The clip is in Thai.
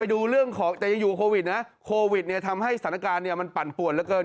ดูเรื่องของแต่ยังอยู่โควิดนะโควิดเนี่ยทำให้สถานการณ์เนี่ยมันปั่นป่วนเหลือเกิน